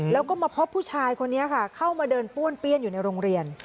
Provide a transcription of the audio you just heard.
แล้วก็มาพบผู้ชายคนนี้ค่ะเข้ามาเดินป้วนเปี้ยนอยู่ในโรงเรียน